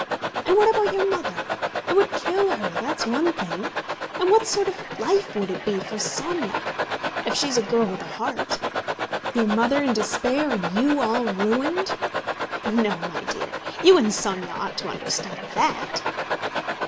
And what about your mother? It would kill her, that's one thing. And what sort of life would it be for Sónya—if she's a girl with a heart? Your mother in despair, and you all ruined.... No, my dear, you and Sónya ought to understand that."